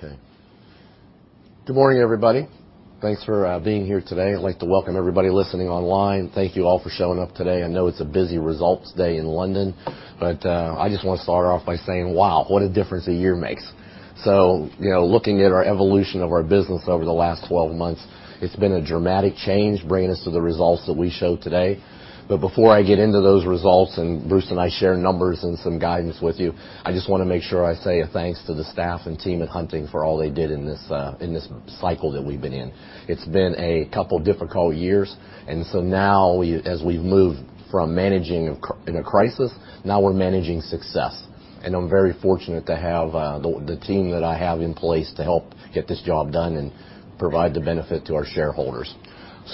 kay. Good morning, everybody. Thanks for being here today. I'd like to welcome everybody listening online. Thank you all for showing up today. I know it's a busy results day in London, but I just wanna start off by saying, wow, what a difference a year makes. You know, looking at our evolution of our business over the last 12 months, it's been a dramatic change, bringing us to the results that we show today. Before I get into those results, and Bruce and I share numbers and some guidance with you, I just wanna make sure I say a thanks to the staff and team at Hunting for all they did in this cycle that we've been in. It's been a couple difficult years, now as we've moved from managing in a crisis, now we're managing success. I'm very fortunate to have the team that I have in place to help get this job done and provide the benefit to our shareholders.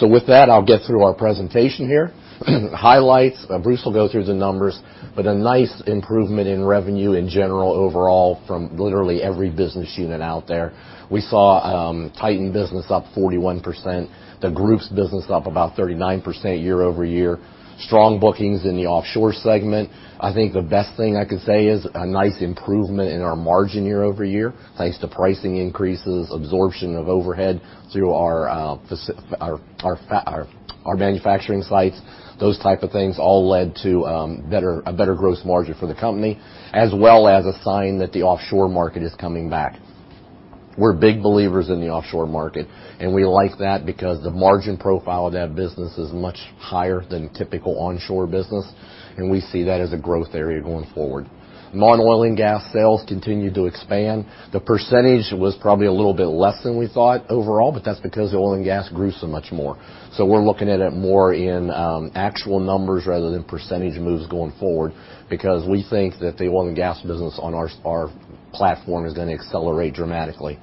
With that, I'll get through our presentation here. Highlights, Bruce will go through the numbers, but a nice improvement in revenue in general overall from literally every business unit out there. We saw Titan business up 41%, the group's business up about 39% year-over-year. Strong bookings in the offshore segment. I think the best thing I could say is a nice improvement in our margin year-over-year, thanks to pricing increases, absorption of overhead through our manufacturing sites. Those type of things all led to a better gross margin for the company, as well as a sign that the offshore market is coming back. We're big believers in the offshore market, and we like that because the margin profile of that business is much higher than typical onshore business, and we see that as a growth area going forward. Non-oil and gas sales continue to expand. The percentage was probably a little bit less than we thought overall, but that's because the oil and gas grew so much more. We're looking at it more in actual numbers rather than percentage moves going forward because we think that the oil and gas business on our platform is going to accelerate dramatically.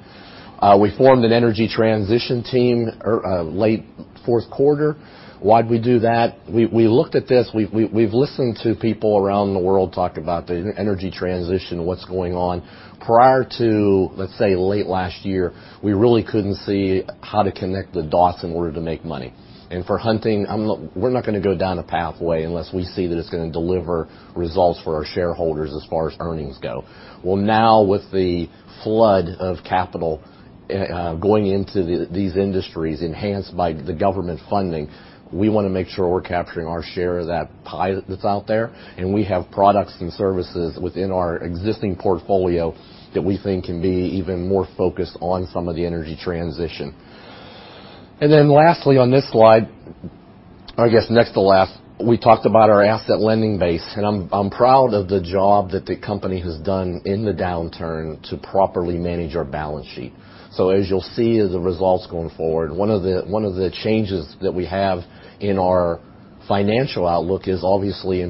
We formed an Energy Transition team late fourth quarter. Why'd we do that? We looked at this. We've listened to people around the world talk about the Energy Transition and what's going on. Prior to, let's say, late last year, we really couldn't see how to connect the dots in order to make money. For Hunting, we're not gonna go down a pathway unless we see that it's gonna deliver results for our shareholders as far as earnings go. Now with the flood of capital going into these industries enhanced by the government funding, we wanna make sure we're capturing our share of that pie that's out there, and we have products and services within our existing portfolio that we think can be even more focused on some of the energy transition. Lastly, on this slide, or I guess next to last, we talked about our asset lending base, and I'm proud of the job that the company has done in the downturn to properly manage our balance sheet. As you'll see as the results going forward, one of the changes that we have in our financial outlook is obviously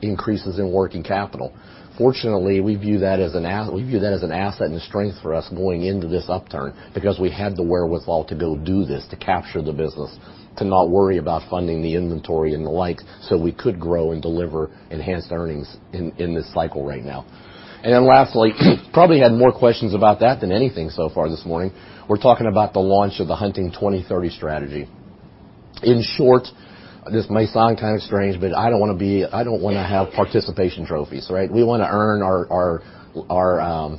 increases in working capital. Fortunately, we view that as an asset and a strength for us going into this upturn because we had the wherewithal to go do this, to capture the business, to not worry about funding the inventory and the like, so we could grow and deliver enhanced earnings in this cycle right now. Lastly, probably had more questions about that than anything so far this morning. We're talking about the launch of the Hunting 2030 strategy. In short, this may sound kind of strange, but I don't wanna have participation trophies, right? We wanna earn our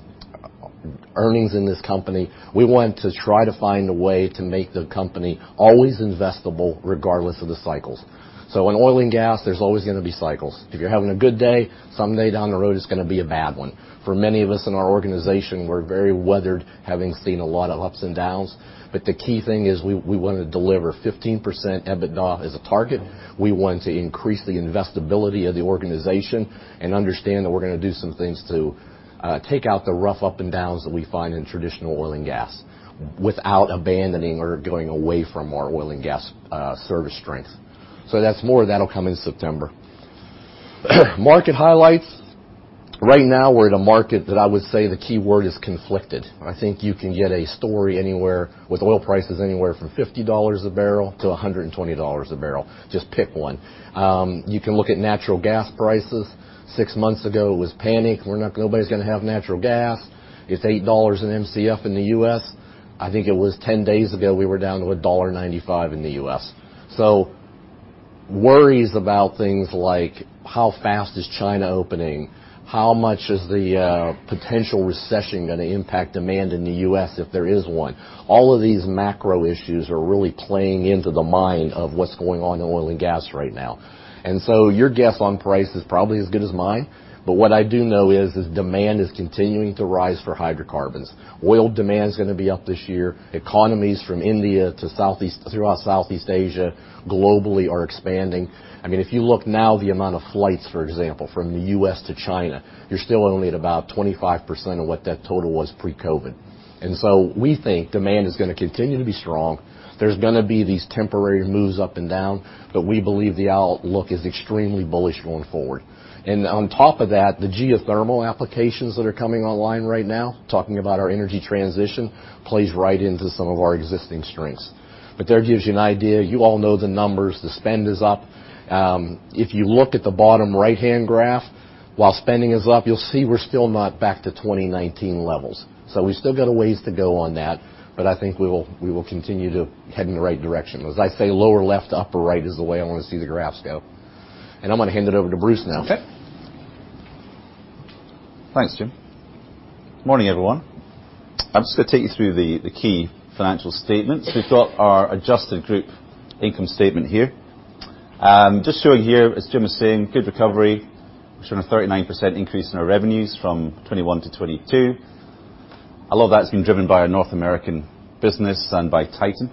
earnings in this company. We want to try to find a way to make the company always investable regardless of the cycles. In oil and gas, there's always gonna be cycles. If you're having a good day, someday down the road, it's gonna be a bad one. For many of us in our organization, we're very weathered, having seen a lot of ups and downs. The key thing is we wanna deliver 15% EBITDA as a target. We want to increase the investability of the organization and understand that we're gonna do some things to take out the rough up and downs that we find in traditional oil and gas without abandoning or going away from our oil and gas service strength. That's more. That'll come in September. Market highlights. Right now, we're in a market that I would say the key word is conflicted. I think you can get a story anywhere with oil prices anywhere from $50 a barrel to $120 a barrel. Just pick one. You can look at natural gas prices. 6 months ago, it was panic. nobody's gonna have natural gas. It's $8 an Mcf in the U.S. I think it was 10 days ago, we were down to $1.95 in the U.S. So worries about things like how fast is China opening, how much is the potential recession gonna impact demand in the U.S. if there is one, all of these macro issues are really playing into the mind of what's going on in oil and gas right now. Your guess on price is probably as good as mine, but what I do know is demand is continuing to rise for hydrocarbons. Oil demand is gonna be up this year. Economies from India throughout Southeast Asia globally are expanding. I mean, if you look now the amount of flights, for example, from the U.S. to China, you're still only at about 25% of what that total was pre-COVID. We think demand is gonna continue to be strong. There's gonna be these temporary moves up and down, but we believe the outlook is extremely bullish going forward. On top of that, the geothermal applications that are coming online right now, talking about our Energy Transition, plays right into some of our existing strengths. There gives you an idea. You all know the numbers. The spend is up. If you look at the bottom right-hand graph, while spending is up, you'll see we're still not back to 2019 levels. We still got a ways to go on that, but I think we will continue to head in the right direction. As I say, lower left to upper right is the way I wanna see the graphs go. I'm gonna hand it over to Bruce now. Okay. Thanks, Jim. Morning, everyone. I'm just gonna take you through the key financial statements. We've got our adjusted group income statement here. Just showing here, as Jim was saying, good recovery. Showing a 39% increase in our revenues from 2021 to 2022. A lot of that's been driven by our North American business and by Titan.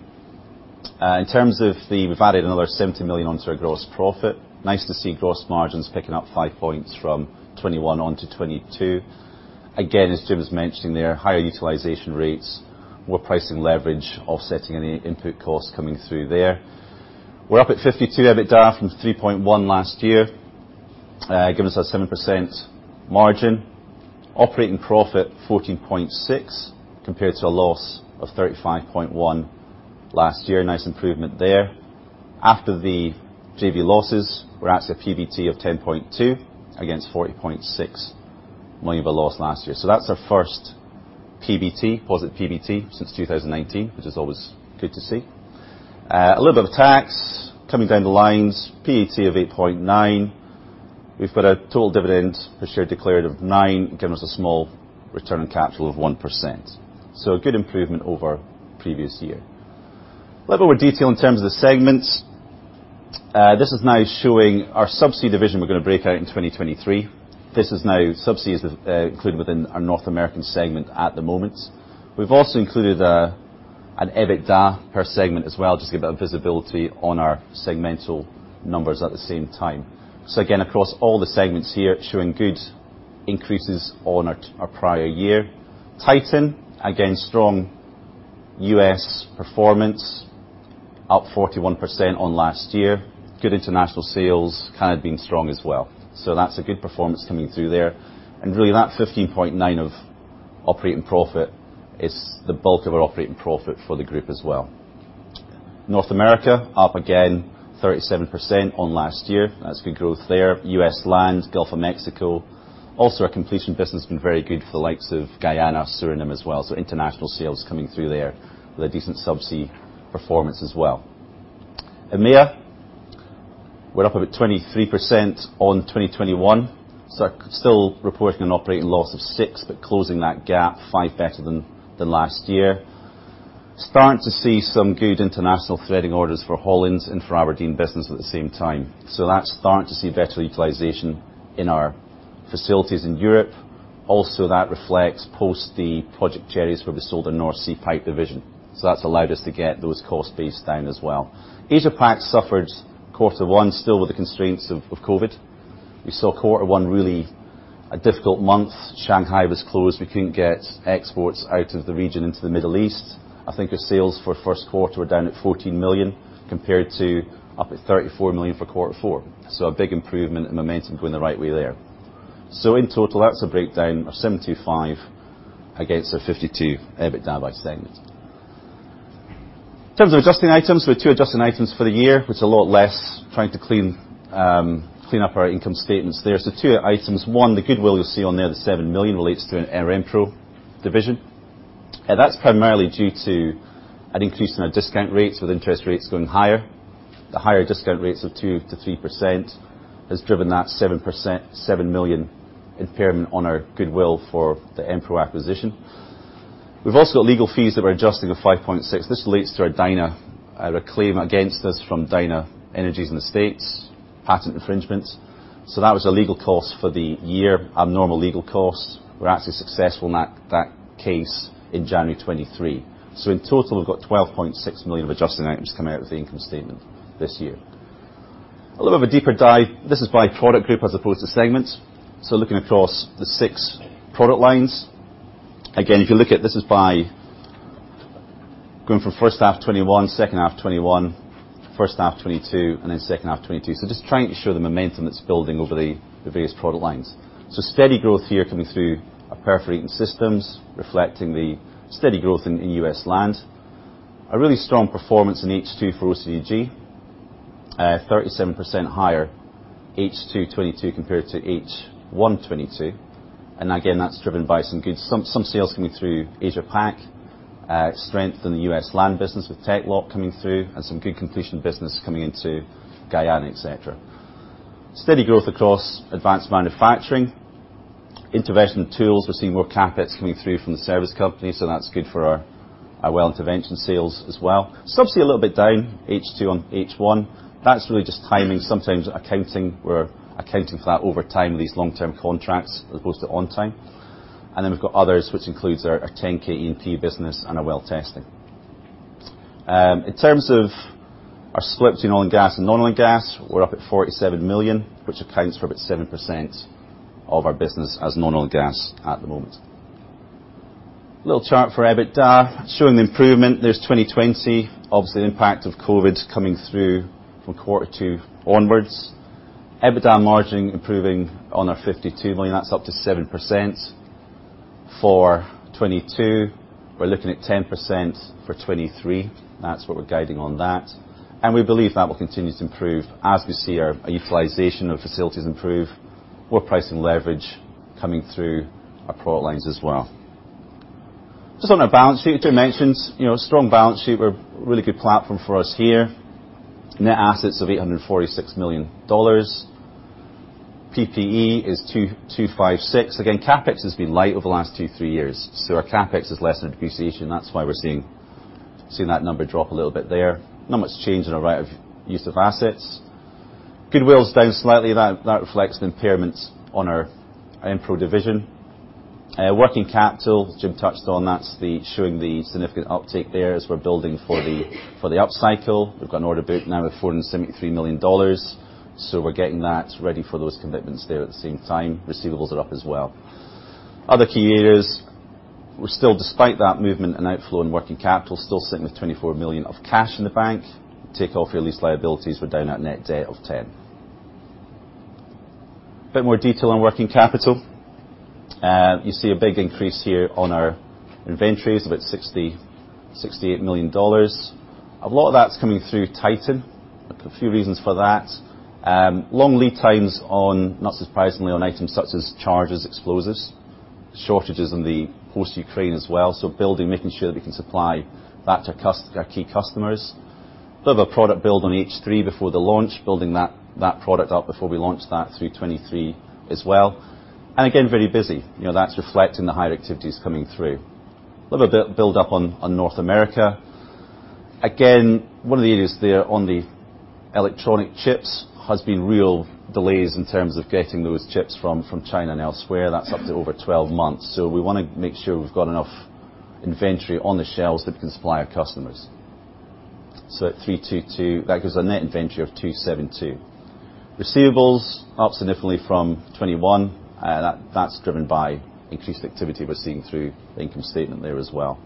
We've added another $70 million onto our gross profit. Nice to see gross margins picking up five points from 2021 on to 2022. Again, as Jim has mentioned, there are higher utilization rates, more pricing leverage offsetting any input costs coming through there. We're up at $52 million EBITDA from $3.1 million last year, giving us that 7% margin. Operating profit $14.6 million compared to a loss of $35.1 million last year. Nice improvement there. After the JV losses, we're at a PBT of $10.2 million against $40.6 million of a loss last year. That's our first PBT, positive PBT, since 2019, which is always good to see. A little bit of a tax coming down the lines. PAT of $8.9 million. We've got a total dividend per share declared of $9, giving us a small return on capital of 1%. A good improvement over previous year. A little more detail in terms of the segments. This is now showing our subsea division we're gonna break out in 2023. This is now subsea is included within our North American segment at the moment. We've also included an EBITDA per segment as well, just to give a bit of visibility on our segmental numbers at the same time. Again, across all the segments here, showing good increases on our prior year. Titan, again, strong U.S. performance, up 41% on last year. Good international sales, Canada being strong as well. That's a good performance coming through there. Really, that $15.9 million of operating profit is the bulk of our operating profit for the group as well. North America, up again 37% on last year. That's good growth there. U.S. Land, Gulf of Mexico. Also, our completion business has been very good for the likes of Guyana, Suriname as well. International sales coming through there with a decent subsea performance as well. EMEA, we're up about 23% on 2021. Still reporting an operating loss of $6 million, but closing that gap $5 million better than last year. Starting to see some good international threading orders for Hollings and for Aberdeen business at the same time. That's starting to see better utilization in our facilities in Europe. That reflects post the Project Cherry where we sold the North Sea pipe division. That's allowed us to get those cost base down as well. Asia-Pac suffered quarter one still with the constraints of COVID. We saw quarter one really a difficult month. Shanghai was closed. We couldn't get exports out of the region into the Middle East. I think our sales for first quarter were down at $14 million, compared to up at $34 million for quarter four. A big improvement and momentum going the right way there. In total, that's a breakdown of $75 million against a $52 million EBITDA by segment. In terms of adjusting items, we had two adjusting items for the year. It's a lot less trying to clean up our income statements there. Two items. One, the goodwill you'll see on there, the $7 million relates to an Impro division. That's primarily due to an increase in our discount rates with interest rates going higher. The higher discount rates of 2%-3% has driven that $7 million impairment on our goodwill for the Impro acquisition. We've also got legal fees that we're adjusting of $5.6 million. This relates to our Dyna reclaim against us from DynaEnergetics in the States, patent infringements. That was a legal cost for the year, abnormal legal cost. We're actually successful in that case in January 2023. In total, we've got $12.6 million of adjusting items coming out of the income statement this year. A little bit of a deeper dive. This is by product group as opposed to segments. Looking across the six product lines. Again, if you look at this is by going from first half 2021, second half 2021, first half 2022, and then second half 2022. Just trying to show the momentum that's building over the various product lines. Steady growth here coming through our perforating systems, reflecting the steady growth in U.S. land. A really strong performance in H2 for OCTG. 37% higher H2 2022 compared to H1 2022. Again, that's driven by some good sales coming through Asia-Pac, strength in the U.S. land business with TEC-LOCK coming through and some good completion business coming into Guyana, et cetera. Steady growth across advanced manufacturing. Intervention tools, we're seeing more CapEx coming through from the service company, so that's good for our well intervention sales as well. Subsea a little bit down, H2 on H1. That's really just timing, sometimes accounting. We're accounting for that over time with these long-term contracts as opposed to on time. We've got others, which includes our 10K E&P business and our well testing. In terms of our split between oil and gas and non-oil and gas, we're up at $47 million, which accounts for about 7% of our business as non-oil and gas at the moment. Little chart for EBITDA showing the improvement. There's 2020, obviously the impact of COVID coming through from Q2 onwards. EBITDA margin improving on our $52 million. That's up to 7% for 2022. We're looking at 10% for 2023. That's what we're guiding on that. We believe that will continue to improve as we see our utilization of facilities improve, more pricing leverage coming through our product lines as well. Just on our balance sheet, Jim mentioned, you know, strong balance sheet. We're really good platform for us here. Net assets of $846 million. PPE is $256 million. CapEx has been light over the last two, three years, so our CapEx is less than depreciation, that's why we're seeing that number drop a little bit there. Not much change in our rate of use of assets. Goodwill's down slightly. That reflects the impairments on our Impro division. Working capital, Jim touched on, showing the significant uptake there as we're building for the upcycle. We've got an order book now of $473 million, so we're getting that ready for those commitments there. At the same time, receivables are up as well. Other key areas, we're still, despite that movement and outflow in working capital, still sitting with $24 million of cash in the bank. Take off your lease liabilities, we're down at net debt of $10 million. A bit more detail on working capital. You see a big increase here on our inventories of about $68 million. A lot of that's coming through Titan. A few reasons for that. Long lead times on, not surprisingly, on items such as charges, explosives, shortages in the port of Ukraine as well. Building, making sure that we can supply that to our key customers. Bit of a product build on H-3 before the launch, building that product up before we launch that through 2023 as well. Again, very busy. You know, that's reflecting the higher activities coming through. Little bit build up on North America. Again, one of the areas there on the electronic chips has been real delays in terms of getting those chips from China and elsewhere. That's up to over 12 months. We wanna make sure we've got enough inventory on the shelves that we can supply our customers. At $322 million, that gives a net inventory of $272 million. Receivables up significantly from 2021. That's driven by increased activity we're seeing through the income statement there as well.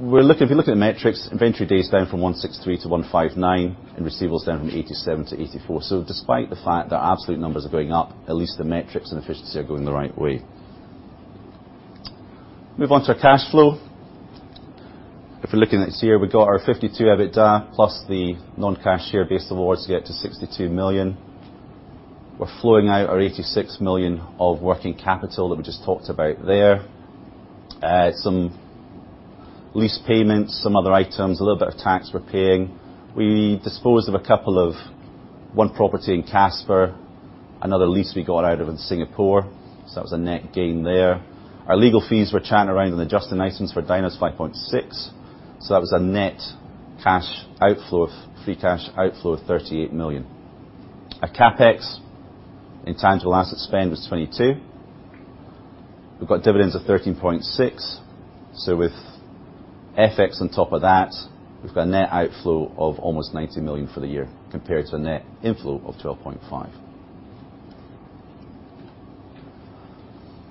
If you look at the metrics, inventory days down from $163 million to $159 million, and receivables down from $87 million to $84 million. Despite the fact that absolute numbers are going up, at least the metrics and efficiency are going the right way. Move on to our cash flow. If we're looking at this year, we got our $52 million EBITDA plus the non-cash share-based awards to get to $62 million. We're flowing out our $86 million of working capital that we just talked about there. Some lease payments, some other items, a little bit of tax we're paying. We disposed of one property in Casper, another lease we got out of in Singapore, that was a net gain there. Our legal fees were chatting around on the adjusting items for Dyna's $5.6 million, so that was a free cash outflow of $38 million. Our CapEx in tangible assets spend was $22 million. We've got dividends of $13.6 million. With FX on top of that, we've got a net outflow of almost $90 million for the year compared to a net inflow of $12.5 million.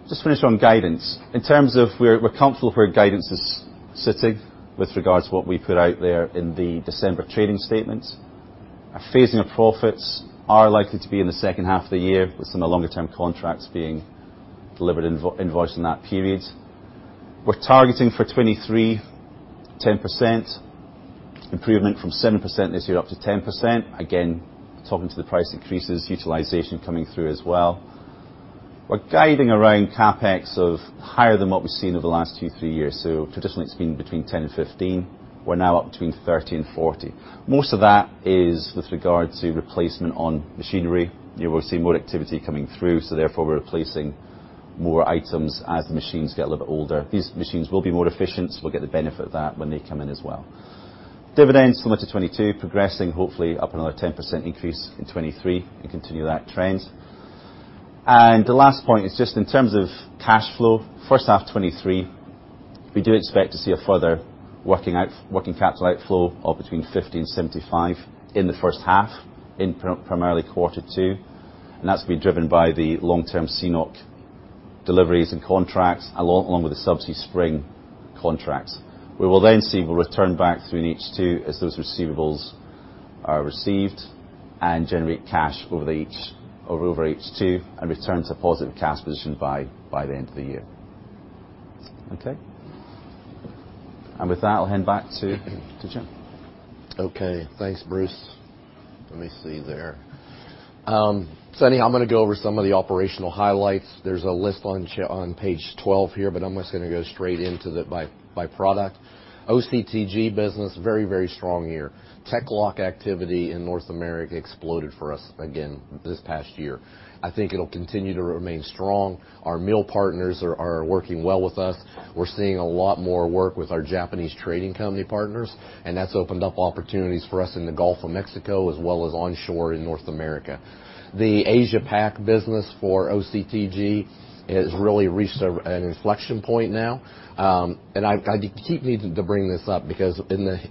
Just finish on guidance. In terms of where we're comfortable where guidance is sitting with regards to what we put out there in the December trading statement. Our phasing of profits are likely to be in the second half of the year with some of the longer term contracts being delivered invoiced in that period. We're targeting for 2023, 10% improvement from 7% this year up to 10%. Again, talking to the price increases, utilization coming through as well. We're guiding around CapEx of higher than what we've seen over the last two, three years. So traditionally, it's been between $10 million and $15 million. We're now up between $30 million and $40 million. Most of that is with regard to replacement on machinery. You will see more activity coming through, so therefore, we're replacing more items as the machines get a little bit older. These machines will be more efficient, so we'll get the benefit of that when they come in as well. Dividends similar to 2022, progressing, hopefully up another 10% increase in 2023 and continue that trend. The last point is just in terms of cash flow. First half 2023, we do expect to see a further working capital outflow of between $50 million and $75 million in the first half, primarily quarter two, and that's been driven by the long-term CNOOC deliveries and contracts, along with the subsea Spring contracts. We will then see we'll return back through in H2 as those receivables are received and generate cash over H2 and return to a positive cash position by the end of the year. Okay. With that, I'll hand back to Jim. Okay. Thanks, Bruce. Let me see there. Anyway, I'm gonna go over some of the operational highlights. There's a list on page 12 here, but I'm just gonna go straight into the by product. OCTG business, very, very strong year. TEC-LOCK activity in North America exploded for us again this past year. I think it'll continue to remain strong. Our mill partners are working well with us. We're seeing a lot more work with our Japanese trading company partners, and that's opened up opportunities for us in the Gulf of Mexico, as well as onshore in North America. The Asia-Pac business for OCTG has really reached a, an inflection point now. I keep needing to bring this up because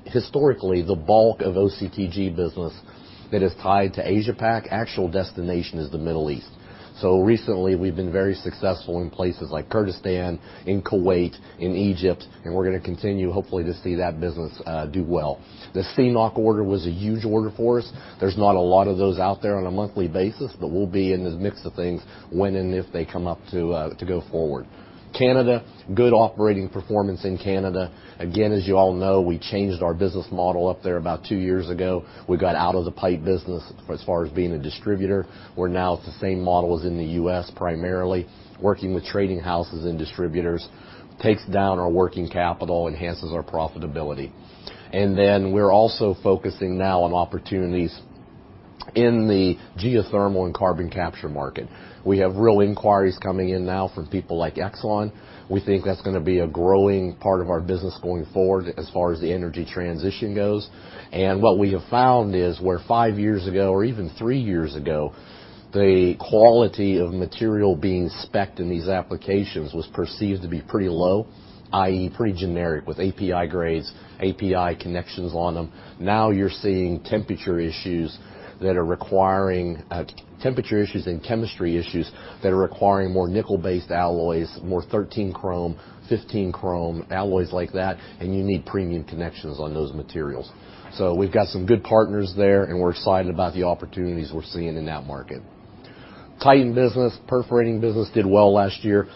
historically, the bulk of OCTG business that is tied to Asia Pac, actual destination is the Middle East. Recently, we've been very successful in places like Kurdistan, in Kuwait, in Egypt, and we're gonna continue, hopefully, to see that business do well. The CNOOC order was a huge order for us. There's not a lot of those out there on a monthly basis, we'll be in the mix of things when and if they come up to go forward. Canada, good operating performance in Canada. Again, as you all know, we changed our business model up there about 2 years ago. We got out of the pipe business as far as being a distributor. We're now at the same model as in the US, primarily working with trading houses and distributors. Takes down our working capital, enhances our profitability. We're also focusing now on opportunities in the geothermal and carbon capture market, we have real inquiries coming in now from people like Exxon. We think that's gonna be a growing part of our business going forward as far as the energy transition goes. What we have found is where five years ago or even three years ago, the quality of material being specced in these applications was perceived to be pretty low, i.e., pretty generic with API grades, API connections on them. Now you're seeing temperature issues and chemistry issues that are requiring more nickel-based alloys, more 13 Chrome, 15 Chrome, alloys like that, and you need premium connections on those materials. We've got some good partners there, and we're excited about the opportunities we're seeing in that market. Titan business, perforating business did well last year.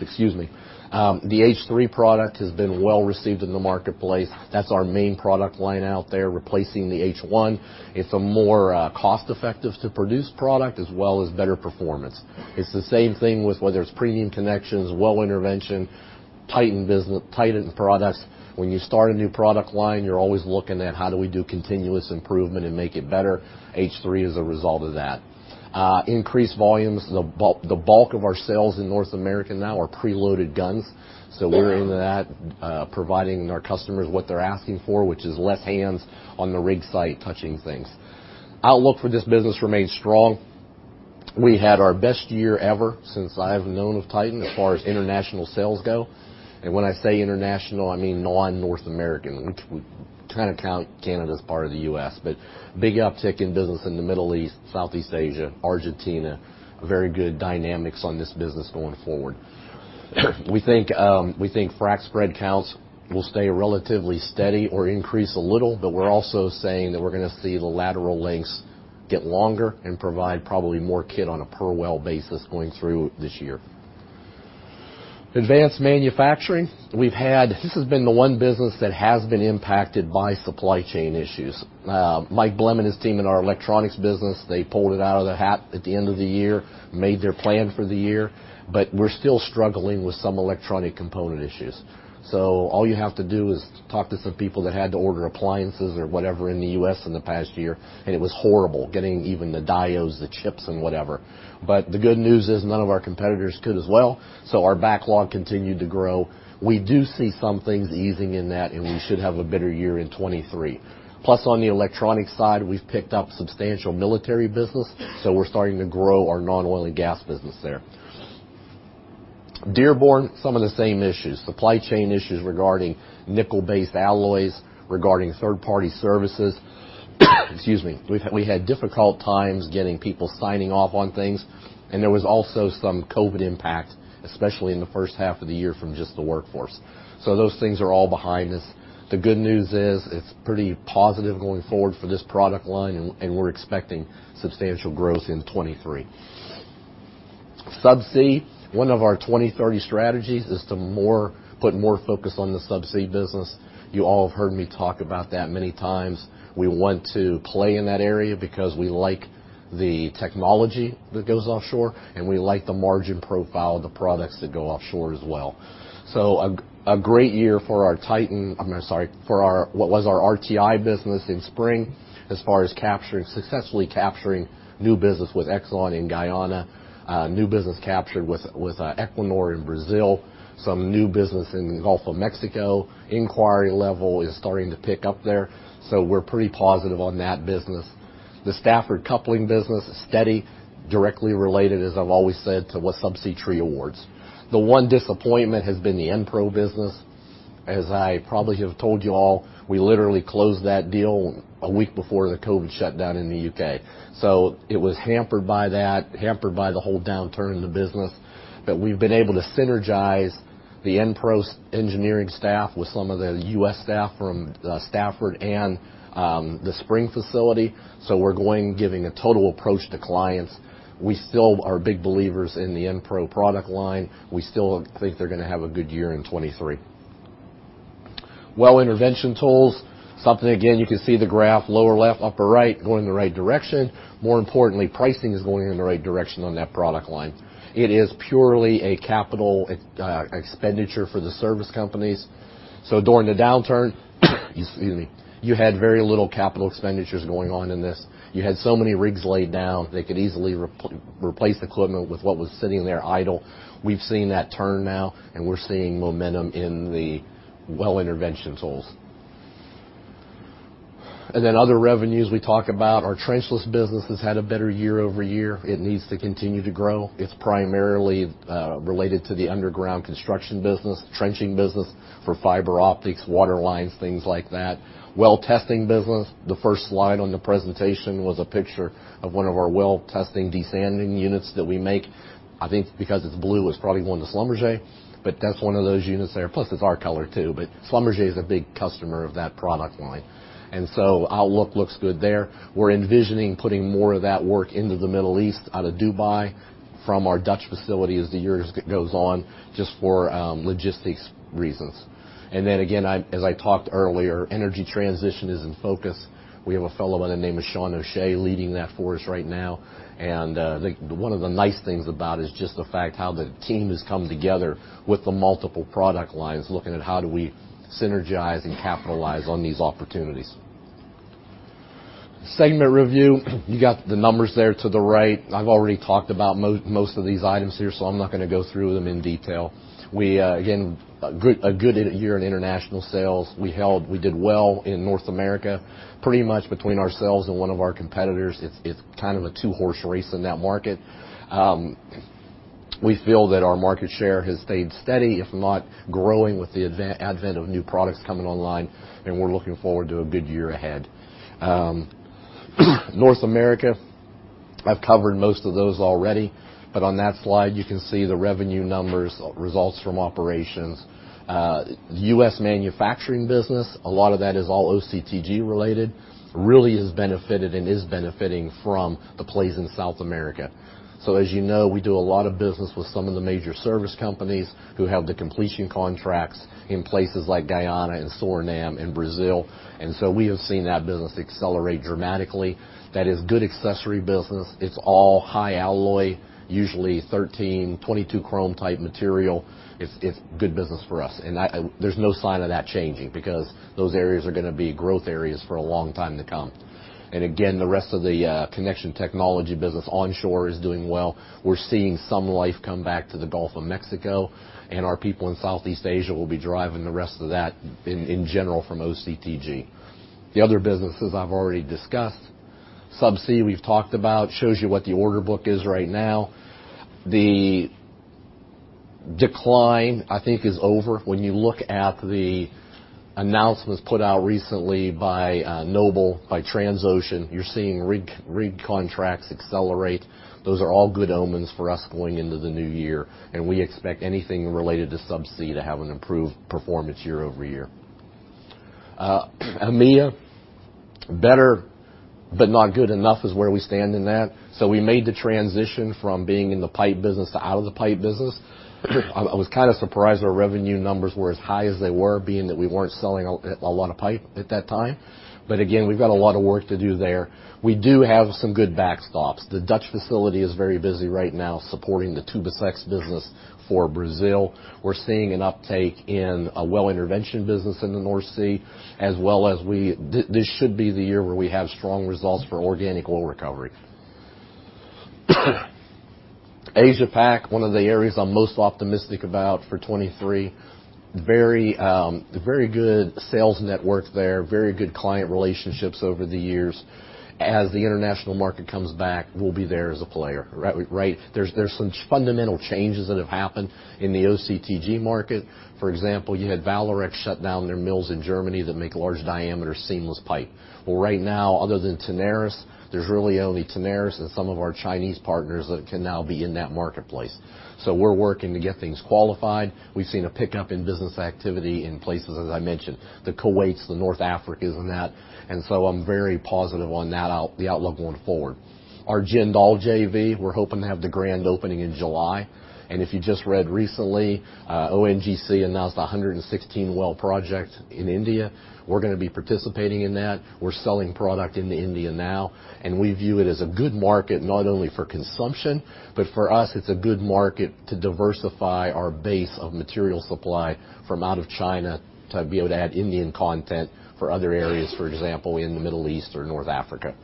Excuse me. The H-3 product has been well received in the marketplace. That's our main product line out there replacing the H-1. It's a more cost-effective to produce product as well as better performance. It's the same thing with whether it's premium connections, well intervention, Titan products. When you start a new product line, you're always looking at how do we do continuous improvement and make it better. H-3 is a result of that. Increased volumes. The bulk of our sales in North America now are preloaded guns. We're into that, providing our customers what they're asking for, which is less hands on the rig site touching things. Outlook for this business remains strong. We had our best year ever since I've known of Titan as far as international sales go. When I say international, I mean non-North American, which we kinda count Canada as part of the U.S. Big uptick in business in the Middle East, Southeast Asia, Argentina. Very good dynamics on this business going forward. We think frac spread counts will stay relatively steady or increase a little. We're also saying that we're gonna see the lateral lengths get longer and provide probably more kit on a per well basis going through this year. Advanced manufacturing. This has been the one business that has been impacted by supply chain issues. Mike Blemm and his team in our Electronics business, they pulled it out of the hat at the end of the year, made their plan for the year. We're still struggling with some electronic component issues. All you have to do is talk to some people that had to order appliances or whatever in the U.S. in the past year, and it was horrible getting even the diodes, the chips and whatever. The good news is none of our competitors could as well, so our backlog continued to grow. We do see some things easing in that, and we should have a better year in 2023. Plus on the electronic side, we've picked up substantial military business, so we're starting to grow our non-oil and gas business there. Dearborn, some of the same issues, supply chain issues regarding nickel-based alloys, regarding third-party services. Excuse me. We had difficult times getting people signing off on things, and there was also some COVID impact, especially in the first half of the year from just the workforce. Those things are all behind us. The good news is it's pretty positive going forward for this product line, and we're expecting substantial growth in 2023. Subsea, one of our Hunting 2030 strategies is to put more focus on the subsea business. You all have heard me talk about that many times. We want to play in that area because we like the technology that goes offshore, and we like the margin profile of the products that go offshore as well. A great year for our Hunting Titan business, for our RTI Energy Systems business in Spring as far as capturing, successfully capturing new business with ExxonMobil in Guyana. New business captured with Equinor in Brazil, some new business in the Gulf of Mexico. Inquiry level is starting to pick up there. We're pretty positive on that business. The Stafford coupling business is steady, directly related, as I've always said, to what subsea tree awards. The one disappointment has been the EnPro business. As I probably have told you all, we literally closed that deal a week before the COVID shutdown in the U.K. It was hampered by that, hampered by the whole downturn in the business. We've been able to synergize the EnPro engineering staff with some of the U.S. staff from Stafford and the Spring facility, so we're going, giving a total approach to clients. We still are big believers in the EnPro product line. We still think they're gonna have a good year in 2023. Well intervention tools, something again, you can see the graph lower left, upper right, going in the right direction. More importantly, pricing is going in the right direction on that product line. It is purely a capital expenditure for the service companies. During the downturn, excuse me, you had very little capital expenditures going on in this. You had so many rigs laid down, they could easily replace the equipment with what was sitting there idle. We've seen that turn now, and we're seeing momentum in the well intervention tools. Other revenues we talk about, our trenchless business has had a better year-over-year. It needs to continue to grow. It's primarily related to the underground construction business, trenching business for fiber optics, water lines, things like that. Well testing business, the first slide on the presentation was a picture of one of our well testing desanding units that we make. I think because it's blue, it's probably going to Schlumberger, but that's one of those units there. It's our color too, but Schlumberger is a big customer of that product line. Outlook looks good there. We're envisioning putting more of that work into the Middle East out of Dubai from our Dutch facility as the years goes on just for logistics reasons. Again, as I talked earlier, energy transition is in focus. We have a fellow by the name of Sean O'Shea leading that for us right now. One of the nice things about is just the fact how the team has come together with the multiple product lines looking at how do we synergize and capitalize on these opportunities. Segment review, you got the numbers there to the right. I've already talked about most of these items here, so I'm not gonna go through them in detail. We again, a good year in international sales. We did well in North America, pretty much between ourselves and one of our competitors. It's kind of a two-horse race in that market. We feel that our market share has stayed steady, if not growing, with the advent of new products coming online, and we're looking forward to a good year ahead. North America, I've covered most of those already. On that slide, you can see the revenue numbers, results from operations. U.S. manufacturing business, a lot of that is all OCTG related, really has benefited and is benefiting from the plays in South America. As you know, we do a lot of business with some of the major service companies who have the completion contracts in places like Guyana and Surinam and Brazil. We have seen that business accelerate dramatically. That is good accessory business. It's all high alloy, usually 13 22 chrome-type material. It's good business for us, there's no sign of that changing because those areas are going to be growth areas for a long time to come. Again, the rest of the connection technology business onshore is doing well. We're seeing some life come back to the Gulf of Mexico, and our people in Southeast Asia will be driving the rest of that in general from OCTG. The other businesses I've already discussed. Subsea, we've talked about, shows you what the order book is right now. The decline I think is over. When you look at the announcements put out recently by Noble, by Transocean, you're seeing rig contracts accelerate. Those are all good omens for us going into the new year, we expect anything related to Subsea to have an improved performance year-over-year. EMEA, better, but not good enough is where we stand in that. We made the transition from being in the pipe business to out of the pipe business. I was kind of surprised our revenue numbers were as high as they were, being that we weren't selling a lot of pipe at that time. Again, we've got a lot of work to do there. We do have some good backstops. The Dutch facility is very busy right now supporting the Tuboscope business for Brazil. We're seeing an uptake in a well intervention business in the North Sea, as well as This should be the year where we have strong results for Organic Oil Recovery. Asia Pac, one of the areas I'm most optimistic about for 2023. Very, very good sales network there, very good client relationships over the years. As the international market comes back, we'll be there as a player. Right? There's some fundamental changes that have happened in the OCTG market. For example, you had Vallourec shut down their mills in Germany that make large diameter seamless pipe. Well, right now, other than Tenaris, there's really only Tenaris and some of our Chinese partners that can now be in that marketplace. We're working to get things qualified. We've seen a pickup in business activity in places, as I mentioned, the Kuwaits, the North Africas and that. I'm very positive on that the outlook going forward. Our Jindal JV, we're hoping to have the grand opening in July. If you just read recently, ONGC announced a 116 well project in India. We're gonna be participating in that. We're selling product into India now, and we view it as a good market not only for consumption, but for us, it's a good market to diversify our base of material supply from out of China to be able to add Indian content for other areas, for example, in the Middle East or North Africa.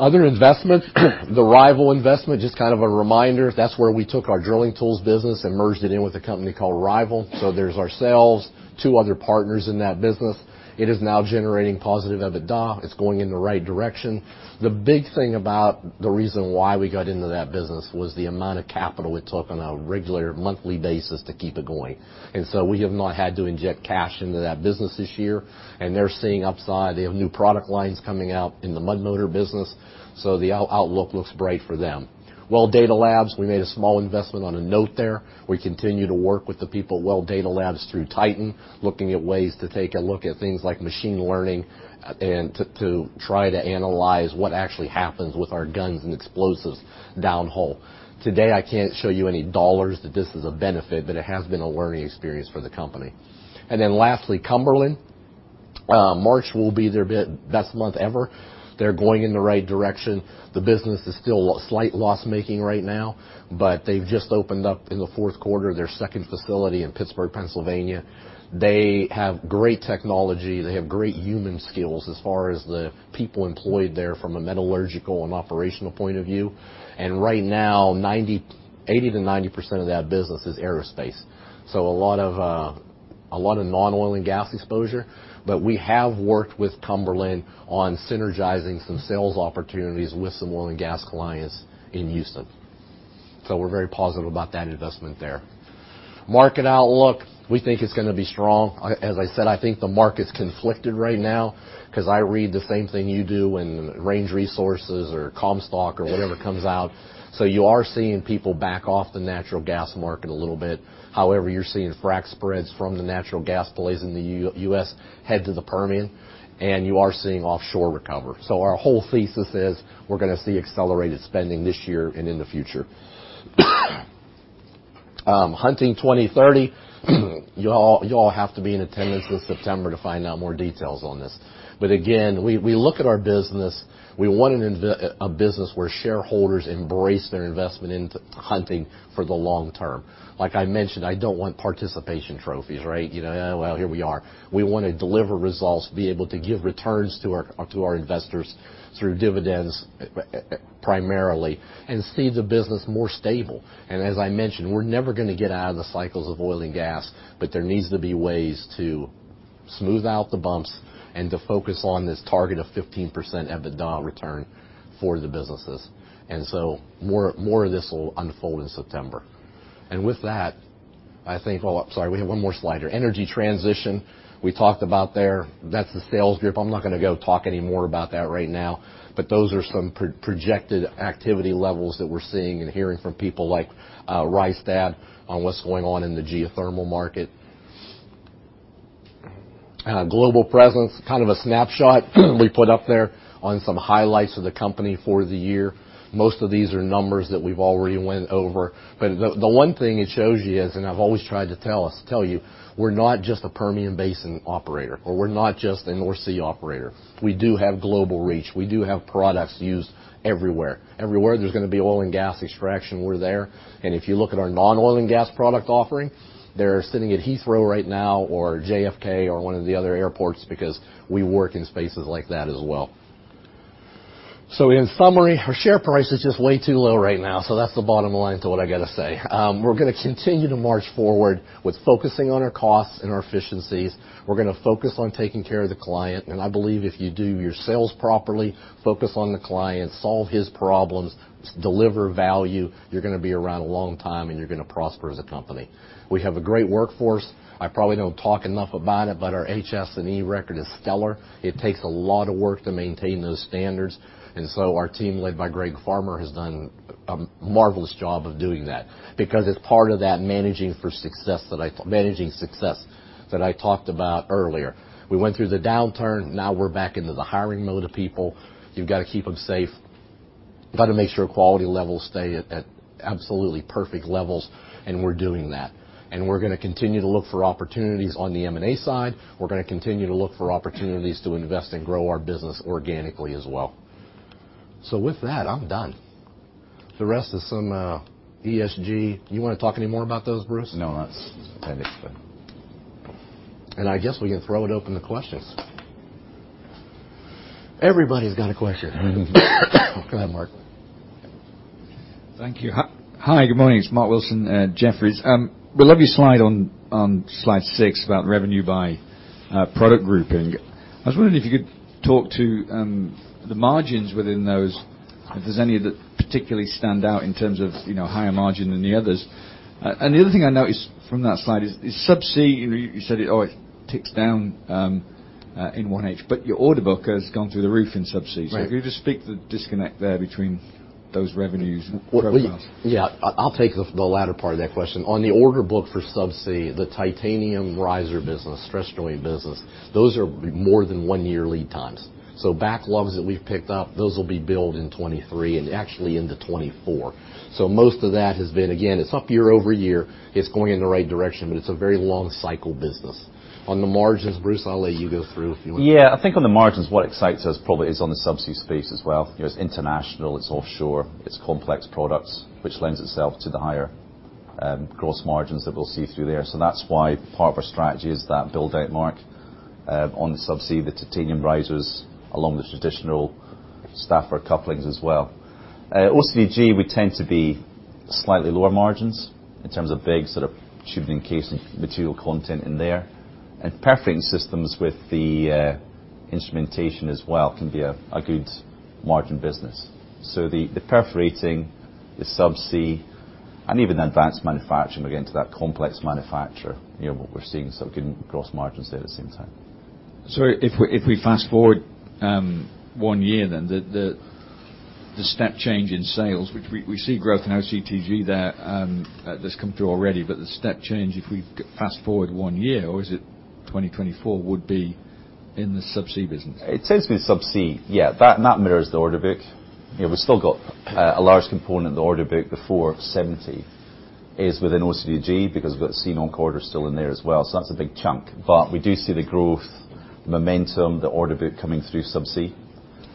Other investments, the Rival investment, just kind of a reminder, that's where we took our drilling tools business and merged it in with a company called Rival. There's ourselves, two other partners in that business. It is now generating positive EBITDA. It's going in the right direction. The big thing about the reason why we got into that business was the amount of capital it took on a regular monthly basis to keep it going. We have not had to inject cash into that business this year, and they're seeing upside. They have new product lines coming out in the mud motor business, the outlook looks bright for them. Well Data Labs, we made a small investment on a note there. We continue to work with the people at Well Data Labs through Titan, looking at ways to take a look at things like machine learning and to try to analyze what actually happens with our guns and explosives downhole. Today, I can't show you any dollars that this is a benefit, it has been a learning experience for the company. Lastly, Cumberland. March will be their best month ever. They're going in the right direction. The business is still slight loss-making right now, but they've just opened up in the fourth quarter, their second facility in Pittsburgh, Pennsylvania. They have great technology. They have great human skills as far as the people employed there from a metallurgical and operational point of view. Right now, 80%-90% of that business is aerospace. A lot of, a lot of non-oil and gas exposure, but we have worked with Cumberland on synergizing some sales opportunities with some oil and gas clients in Houston. We're very positive about that investment there. Market outlook, we think it's gonna be strong. As I said, I think the market's conflicted right now because I read the same thing you do in Range Resources or Comstock or whatever comes out. You are seeing people back off the natural gas market a little bit. You're seeing frac spreads from the natural gas plays in the U.S. head to the Permian, and you are seeing offshore recover. Our whole thesis is we're gonna see accelerated spending this year and in the future. Hunting 2030, you all have to be in attendance this September to find out more details on this. Again, we look at our business. We want a business where shareholders embrace their investment into Hunting for the long term. Like I mentioned, I don't want participation trophies, right? You know, here we are. We wanna deliver results, be able to give returns to our investors through dividends, primarily, and see the business more stable. As I mentioned, we're never gonna get out of the cycles of oil and gas, but there needs to be ways to smooth out the bumps and to focus on this target of 15% EBITDA return for the businesses. More of this will unfold in September. With that, I think. Oh, sorry, we have one more slide here. Energy transition, we talked about there. That's the sales group. I'm not gonna go talk any more about that right now, but those are some pro-projected activity levels that we're seeing and hearing from people like Rystad on what's going on in the geothermal market. Global presence, kind of a snapshot we put up there on some highlights of the company for the year. Most of these are numbers that we've already went over. The one thing it shows you is, I've always tried to tell you, we're not just a Permian Basin operator, or we're not just a North Sea operator. We do have global reach. We do have products used everywhere. Everywhere there's gonna be oil and gas extraction, we're there. If you look at our non-oil and gas product offering, they're sitting at Heathrow right now or JFK or one of the other airports because we work in spaces like that as well. In summary, our share price is just way too low right now. That's the bottom line to what I gotta say. We're gonna continue to march forward with focusing on our costs and our efficiencies. We're gonna focus on taking care of the client. I believe if you do your sales properly, focus on the client, solve his problems, deliver value, you're gonna be around a long time. You're gonna prosper as a company. We have a great workforce. I probably don't talk enough about it, but our HS&E record is stellar. It takes a lot of work to maintain those standards. So our team, led by Greg Farmer, has done a marvelous job of doing that because it's part of that managing success that I talked about earlier. We went through the downturn. Now we're back into the hiring mode of people. You've got to keep them safe. Got to make sure quality levels stay at absolutely perfect levels, and we're doing that. We're gonna continue to look for opportunities on the M&A side. We're gonna continue to look for opportunities to invest and grow our business organically as well. With that, I'm done. The rest is some ESG. You wanna talk any more about those, Bruce? No, that's, I think it's good. I guess we can throw it open to questions. Everybody's got a question. Go ahead, Mark. Thank you. Hi, good morning. It's Mark Wilson at Jefferies. We love your slide on slide six about revenue by product grouping. I was wondering if you could talk to the margins within those, if there's any that particularly stand out in terms of, you know, higher margin than the others. The other thing I noticed from that slide is subsea, you know, you said it always ticks down in one age, but your order book has gone through the roof in subsea. Right. If you just speak to the disconnect there between those revenues and whereabouts. Well, Yeah, I'll take the latter part of that question. On the order book for subsea, the titanium riser business, stress joint business, those are more than one-year lead times. Backlogs that we've picked up, those will be billed in 2023 and actually into 2024. Most of that has been, again, it's up year-over-year. It's going in the right direction, but it's a very long cycle business. On the margins, Bruce, I'll let you go through if you want. Yeah. I think on the margins, what excites us probably is on the subsea space as well. You know, it's international, it's offshore, it's complex products, which lends itself to the higher gross margins that we'll see through there. That's why part of our strategy is that build-out mark, on the subsea, the titanium risers, along with traditional Stafford couplings as well. OCTG, we tend to be slightly lower margins in terms of big sort of tubing casing material content in there. And perforating systems with the instrumentation as well can be a good margin business. The perforating, the subsea, and even advanced manufacturing, we get into that complex manufacture, you know, what we're seeing, getting gross margins there at the same time. If we fast-forward one year, the step change in sales, which we see growth in OCTG there, that's come through already. The step change, if we fast-forward one year, or is it 2024, would be in the subsea business? It tends to be subsea, yeah. That mirrors the order book. You know, we've still got a large component of the order book before 70 is within OCTG because we've got SEAL-LOCK still in there as well, so that's a big chunk. We do see the growth, momentum, the order book coming through subsea.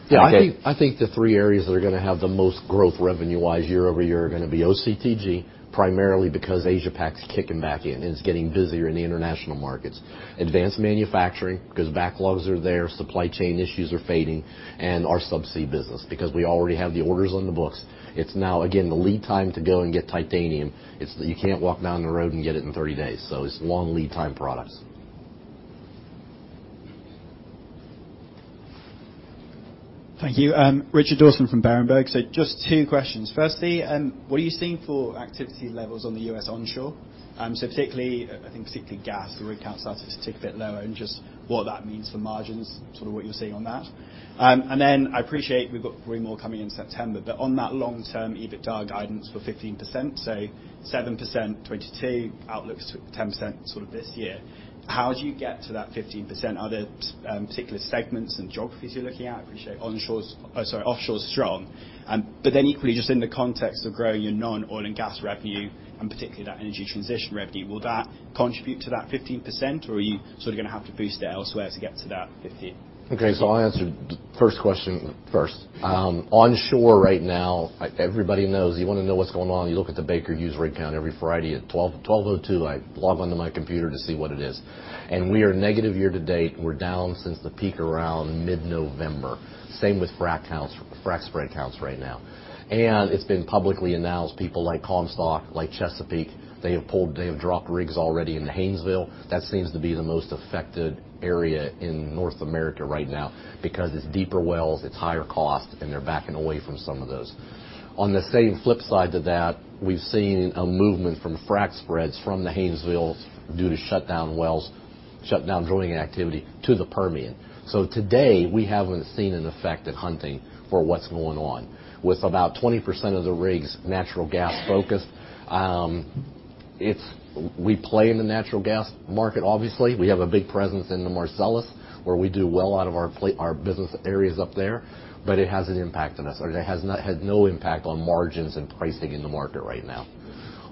Yeah. Okay. I think the three areas that are gonna have the most growth revenue-wise year-over-year are gonna be OCTG, primarily because Asia-Pac's kicking back in, and it's getting busier in the international markets. Advanced manufacturing, because backlogs are there, supply chain issues are fading. Our subsea business, because we already have the orders on the books. It's now, again, the lead time to go and get titanium, you can't walk down the road and get it in 30 days, so it's long lead time products. Thank you. Richard Dawson from Berenberg. Just two questions. Firstly, what are you seeing for activity levels on the U.S. onshore? Particularly, I think particularly gas, the rig count started to tick a bit lower and just what that means for margins, sort of what you're seeing on that. I appreciate we've got three more coming in September, but on that long-term EBITDA guidance for 15%, 7% 2022, outlook's 10% sort of this year. How do you get to that 15%? Are there particular segments and geographies you're looking at? I appreciate offshore's strong. Equally, just in the context of growing your non-oil and gas revenue, and particularly that energy transition revenue, will that contribute to that 15%? Are you sort of gonna have to boost it elsewhere to get to that 15? I'll answer the first question first. Onshore right now, everybody knows you wanna know what's going on, you look at the Baker Hughes rig count every Friday at 12:02 P.M., I log on to my computer to see what it is. We are negative year to date. We're down since the peak around mid-November. Same with frack counts, frac spread counts right now. It's been publicly announced, people like Comstock, like Chesapeake, they have pulled, they have dropped rigs already in the Haynesville. That seems to be the most affected area in North America right now because it's deeper wells, it's higher cost, and they're backing away from some of those. On the same flip side to that, we've seen a movement from frac spreads from the Haynesvilles due to shut down wells, shut down drilling activity to the Permian. Today, we haven't seen an effect at Hunting for what's going on. With about 20% of the rigs natural gas focused, we play in the natural gas market, obviously. We have a big presence in the Marcellus, where we do well out of our business areas up there, it has an impact on us, or it has had no impact on margins and pricing in the market right now.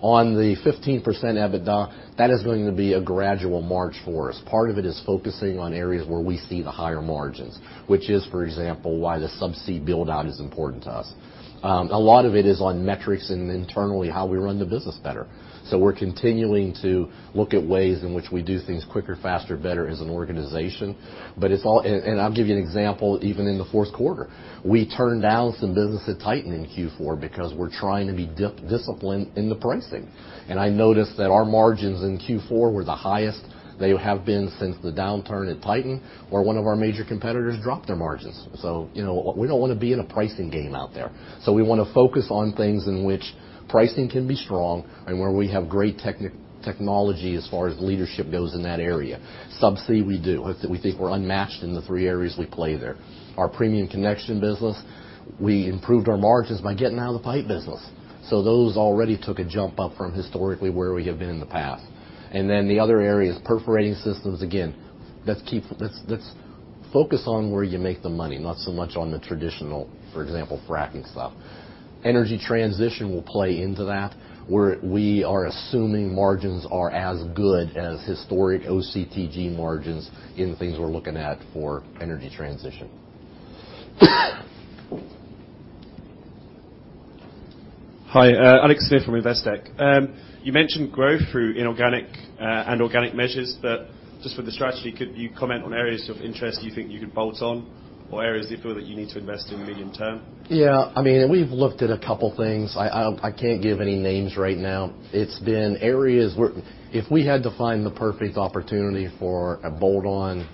On the 15% EBITDA, that is going to be a gradual march for us. Part of it is focusing on areas where we see the higher margins, which is, for example, why the subsea build-out is important to us. A lot of it is on metrics and internally how we run the business better. We're continuing to look at ways in which we do things quicker, faster, better as an organization. It's all. I'll give you an example, even in the fourth quarter. We turned down some business at Titan in Q4 because we're trying to be disciplined in the pricing. I noticed that our margins in Q4 were the highest they have been since the downturn at Titan, where one of our major competitors dropped their margins. You know, we don't wanna be in a pricing game out there. We wanna focus on things in which pricing can be strong and where we have great technology as far as leadership goes in that area. Subsea, we do. We think we're unmatched in the three areas we play there. Our premium connection business, we improved our margins by getting out of the pipe business. Those already took a jump up from historically where we have been in the past. The other area is perforating systems. Again, let's focus on where you make the money, not so much on the traditional, for example, fracking stuff. Energy Transition will play into that, where we are assuming margins are as good as historic OCTG margins in the things we're looking at for Energy Transition. Hi. Alex Smith from Investec. You mentioned growth through inorganic and organic measures, just for the strategy, could you comment on areas of interest you think you could bolt on or areas that you feel that you need to invest in medium term? Yeah. I mean, we've looked at a couple things. I can't give any names right now. It's been areas where if we had to find the perfect opportunity for a bolt-on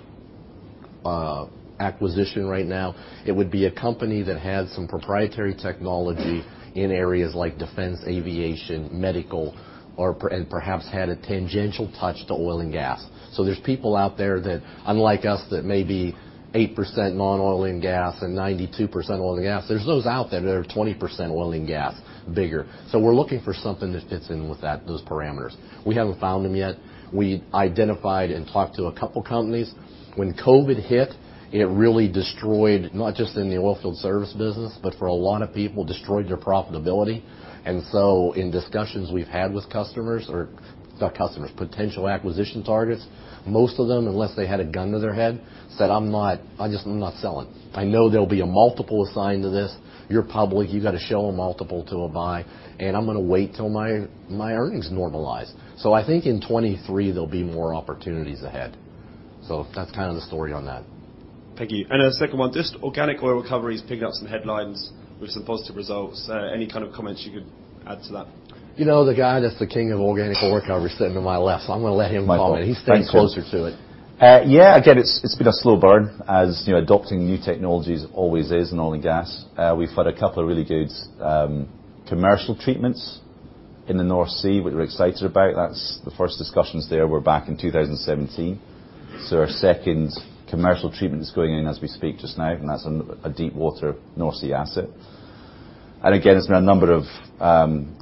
acquisition right now, it would be a company that had some proprietary technology in areas like defense, aviation, medical, or perhaps had a tangential touch to oil and gas. There's people out there that, unlike us, that may be 8% non-oil and gas and 92% oil and gas. There's those out there that are 20% oil and gas bigger. We're looking for something that fits in with that, those parameters. We haven't found them yet. We identified and talked to a couple companies. When COVID hit, it really destroyed, not just in the oil field service business, but for a lot of people, destroyed their profitability. In discussions we've had with customers, or not customers, potential acquisition targets, most of them, unless they had a gun to their head, said, "I'm not, I'm just, I'm not selling. I know there'll be a multiple assigned to this. You're public, you gotta show a multiple to a buy, and I'm gonna wait till my earnings normalize." I think in 2023, there'll be more opportunities ahead. That's kind of the story on that. Thank you. A second one, just Organic Oil Recovery is picking up some headlines with some positive results. Any kind of comments you could add to that? You know, the guy that's the king of Organic Oil Recovery is sitting to my left. I'm gonna let him comment. Okay. He stays closer to it. Yeah, again, it's been a slow burn as, you know, adopting new technologies always is in oil and gas. We've had a couple of really good commercial treatments in the North Sea, which we're excited about. That's the first discussions there were back in 2017. Our second commercial treatment is going in as we speak just now, and that's on a deep water North Sea asset. Again, there's been a number of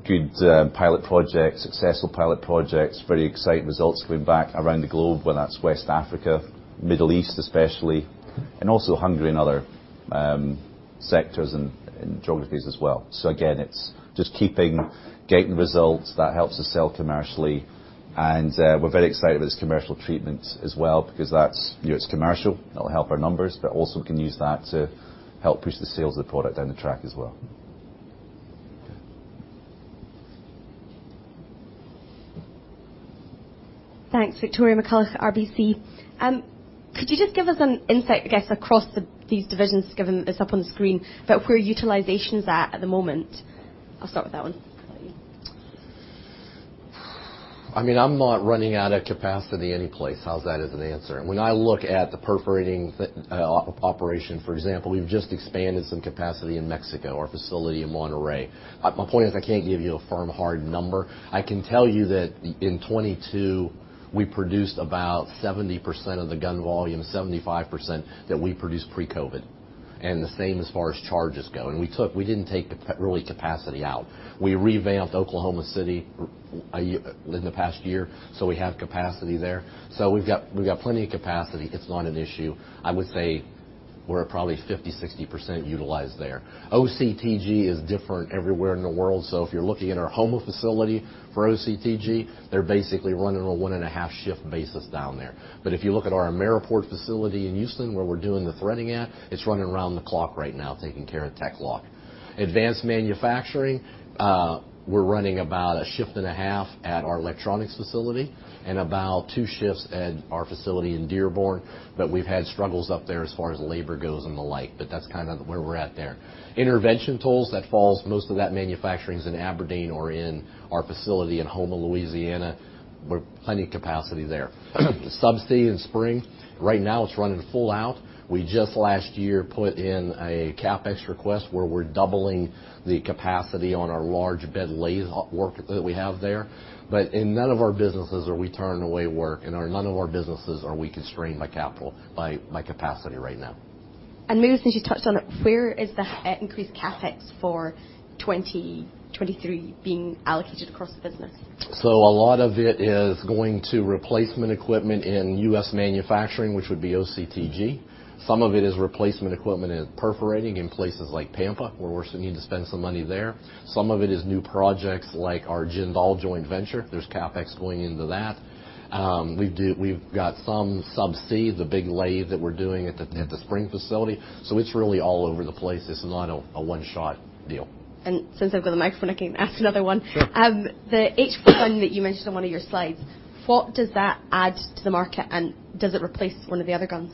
good pilot projects, successful pilot projects, very exciting results coming back around the globe, whether that's West Africa, Middle East especially, and also Hungary and other sectors and geographies as well. Again, it's just getting results that helps us sell commercially. We're very excited with this commercial treatment as well because that's, you know, it's commercial. That'll help our numbers, but also can use that to help push the sales of the product down the track as well. Okay. Thanks, Victoria McCulloch, RBC. Could you just give us an insight, I guess, across the, these divisions, given it's up on the screen, but where utilization's at at the moment? I'll start with that one. I mean, I'm not running out of capacity any place. How's that as an answer? I look at the perforating operation, for example, we've just expanded some capacity in Mexico, our facility in Monterrey. My point is I can't give you a firm, hard number. I can tell you that in 2022, we produced about 70% of the gun volume, 75% that we produced pre-COVID, the same as far as charges go. We didn't take really capacity out. We revamped Oklahoma City in the past year, we have capacity there. We've got plenty of capacity. It's not an issue. I would say we're at probably 50%, 60% utilized there. OCTG is different everywhere in the world. If you're looking at our Houma facility for OCTG, they're basically running on a 1.5 shift basis down there. If you look at our Ameriport facility in Houston, where we're doing the threading at, it's running around the clock right now, taking care of TEC-LOCK. Advanced manufacturing, we're running about 1.5 shifts at our electronics facility and about two shifts at our facility in Dearborn. We've had struggles up there as far as labor goes and the like, but that's kind of where we're at there. Intervention tools, most of that manufacturing's in Aberdeen or in our facility in Houma, Louisiana. We're plenty of capacity there. Subsea in Spring, right now it's running full out. We just last year put in a CapEx request where we're doubling the capacity on our large bed lathe O-work that we have there. In none of our businesses are we turning away work, none of our businesses are we constrained by capacity right now. Maybe since you touched on it, where is the increased CapEx for 2023 being allocated across the business? A lot of it is going to replacement equipment in U.S. manufacturing, which would be OCTG. Some of it is replacement equipment in perforating in places like Pampa, where we're still need to spend some money there. Some of it is new projects like our Jindal joint venture. There's CapEx going into that. We've got some Subsea, the big lathe that we're doing at the Spring facility. It's really all over the place. It's not a one-shot deal. Since I've got the microphone, I can ask another one. Sure. The H-4 gun that you mentioned on one of your slides, what does that add to the market, and does it replace one of the other guns?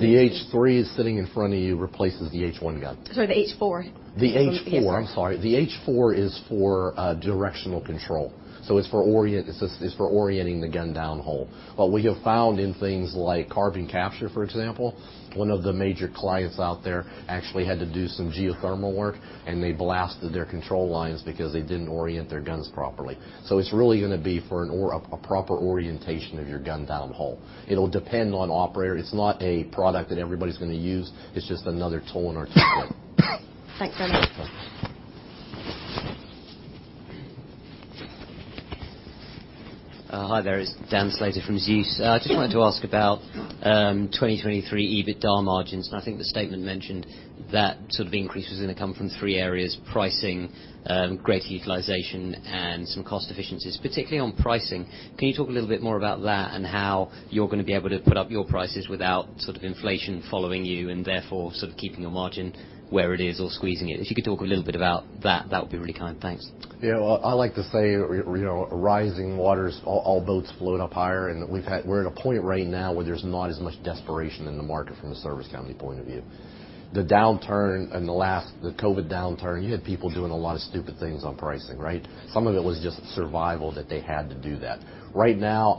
The H-3 sitting in front of you replaces the H-1 gun. Sorry, the H-4. The H-4. From PSA. I'm sorry. The H-4 is for directional control, it's just, it's for orienting the gun downhole. What we have found in things like carbon capture, for example, one of the major clients out there actually had to do some geothermal work, they blasted their control lines because they didn't orient their guns properly. It's really gonna be for a proper orientation of your gun downhole. It'll depend on operator. It's not a product that everybody's gonna use. It's just another tool in our toolkit. Thanks very much. No problem. Hi there. It's Dan Slater from Zeus. Yeah. I just wanted to ask about 2023 EBITDA margins. I think the statement mentioned that increase was gonna come from three areas: pricing, greater utilization, and some cost efficiencies. Particularly on pricing, can you talk a little bit more about that and how you're gonna be able to put up your prices without inflation following you and therefore keeping the margin where it is or squeezing it? If you could talk a little bit about that would be really kind. Thanks. Well, I like to say you know, rising waters, all boats float up higher, and we're at a point right now where there's not as much desperation in the market from a service company point of view. The downturn in the last, the COVID downturn, you had people doing a lot of stupid things on pricing, right? Some of it was just survival that they had to do that. Right now,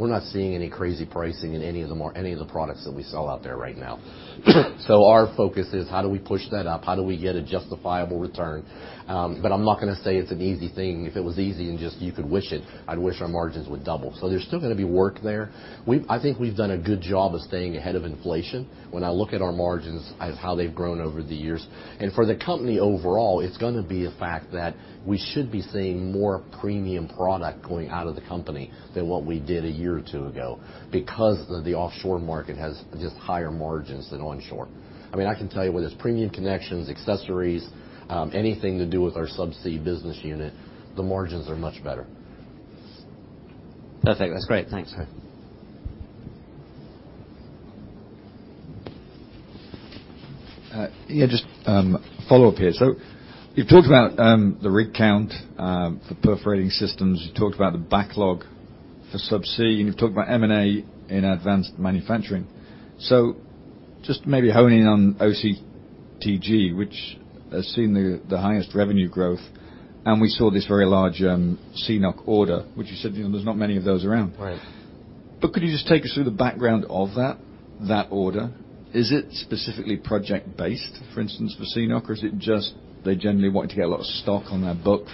we're not seeing any crazy pricing in any of the products that we sell out there right now. Our focus is how do we push that up? How do we get a justifiable return? I'm not gonna say it's an easy thing. If it was easy and just you could wish it, I'd wish our margins would double. There's still gonna be work there. I think we've done a good job of staying ahead of inflation when I look at our margins as how they've grown over the years. For the company overall, it's gonna be a fact that we should be seeing more premium product going out of the company than what we did a year or two ago because the offshore market has just higher margins than onshore. I mean, I can tell you whether it's premium connections, accessories, anything to do with our Subsea business unit, the margins are much better. Perfect. That's great. Thanks. Okay. Yeah, just a follow-up here. You've talked about the rig count for Perforating Systems. You talked about the backlog for Subsea, and you've talked about M&A in Advanced Manufacturing. Just maybe honing in on OCTG, which has seen the highest revenue growth, and we saw this very large CNOOC order, which you said, you know, there's not many of those around. Right. Could you just take us through the background of that order? Is it specifically project-based, for instance, for CNOOC, or is it just they generally wanted to get a lot of stock on their book.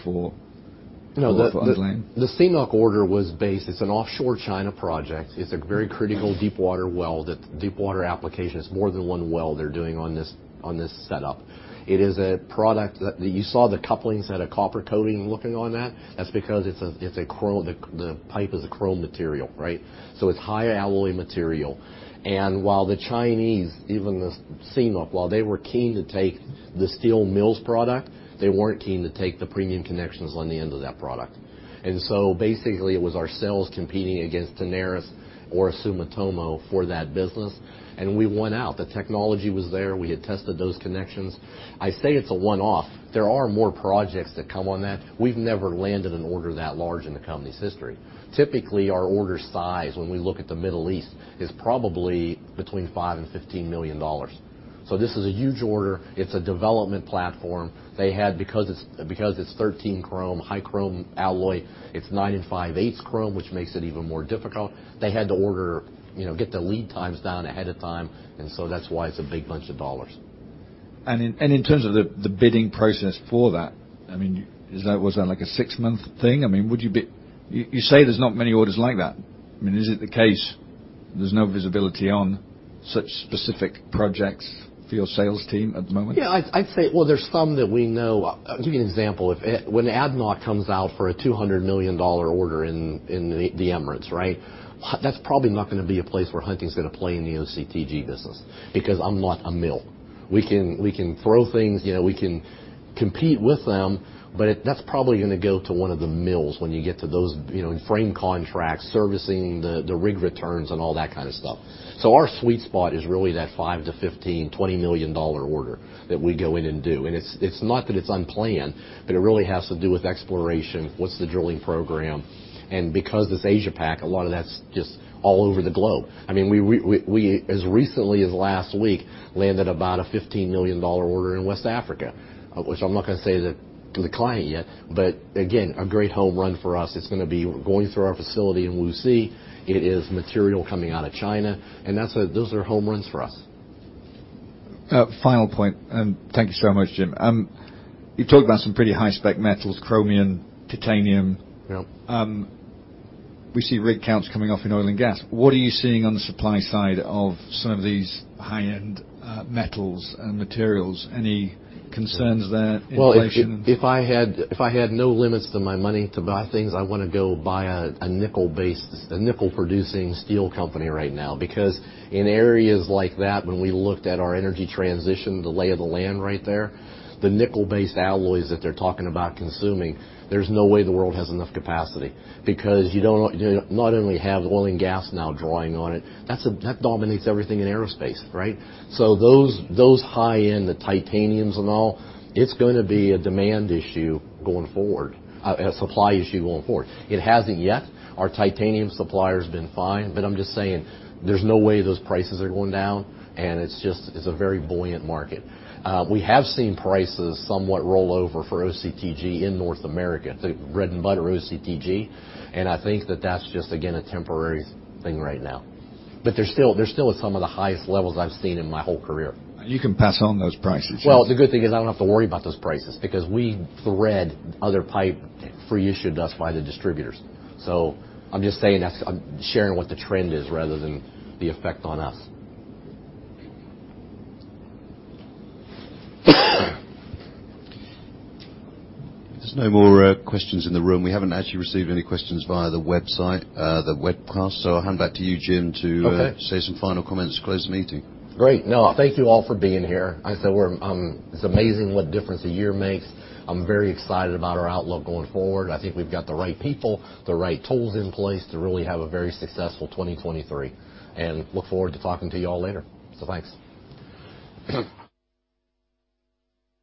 No. The. Offshore drilling? The CNOOC order was based, it's an offshore China project. It's a very critical deepwater well that, deepwater application. It's more than one well they're doing on this setup. It is a product that, you saw the couplings had a copper coating looking on that. That's because it's a chrome, the pipe is a chrome material, right? It's high alloy material. While the Chinese, even the CNOOC, while they were keen to take the steel mills product, they weren't keen to take the premium connections on the end of that product. Basically, it was our sales competing against Tenaris or Sumitomo for that business, and we won out. The technology was there. We had tested those connections. I say it's a one-off. There are more projects that come on that. We've never landed an order that large in the company's history. Typically, our order size, when we look at the Middle East, is probably between $5 and $15 million. This is a huge order. It's a development platform. Because it's 13 Chrome, high chrome alloy, it's 9-5/8" chrome, which makes it even more difficult, they had to order, you know, get the lead times down ahead of time. That's why it's a big bunch of dollars. In terms of the bidding process for that, I mean, was that like a six-month thing? I mean, You say there's not many orders like that. I mean, is it the case there's no visibility on such specific projects for your sales team at the moment? Yeah. I'd say. Well, there's some that we know. I'll give you an example. If, when ADNOC comes out for a $200 million order in the Emirates, right? That's probably not gonna be a place where Hunting's gonna play in the OCTG business because I'm not a mill. We can throw things. You know, we can compete with them, but that's probably gonna go to one of the mills when you get to those, you know, frame contracts, servicing the rig returns and all that kind of stuff. Our sweet spot is really that $5 million-$15 million, $20 million order that we go in and do. It's not that it's unplanned, but it really has to do with exploration. What's the drilling program? Because it's Asia-Pac, a lot of that's just all over the globe. I mean, we, as recently as last week, landed about a $15 million order in West Africa, which I'm not gonna say the client yet, again, a great home run for us. It's gonna be going through our facility in Lucy. It is material coming out of China, those are home runs for us. Final point, and thank you so much, Jim. You talked about some pretty high-spec metals, chromium, titanium. Yep. We see rig counts coming off in oil and gas. What are you seeing on the supply side of some of these high-end metals and materials? Any concerns there, inflation? If I had no limits to my money to buy things, I wanna go buy a nickel-based, a nickel-producing steel company right now because in areas like that, when we looked at our energy transition, the lay of the land right there, the nickel-based alloys that they're talking about consuming, there's no way the world has enough capacity because you not only have oil and gas now drawing on it, that dominates everything in aerospace, right? Those high end, the titaniums and all, it's gonna be a demand issue going forward, a supply issue going forward. It hasn't yet. Our titanium supplier's been fine, but I'm just saying there's no way those prices are going down, and it's just, it's a very buoyant market. We have seen prices somewhat roll over for OCTG in North America, the bread and butter, OCTG, and I think that's just again a temporary thing right now. They're still at some of the highest levels I've seen in my whole career. You can pass on those prices, yes? Well, the good thing is I don't have to worry about those prices because we thread other pipe free issued to us by the distributors. I'm just saying I'm sharing what the trend is rather than the effect on us. There's no more questions in the room. We haven't actually received any questions via the website, the webcast. I'll hand back to you, Jim. Okay. Say some final comments to close the meeting. Great. Thank you all for being here. I said we're, it's amazing what difference a year makes. I'm very excited about our outlook going forward. I think we've got the right people, the right tools in place to really have a very successful 2023, and look forward to talking to you all later. Thanks.